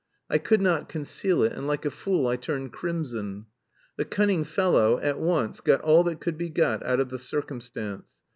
I could not conceal it, and, like a fool, I turned crimson. The cunning fellow at once got all that could be got out of the circumstance.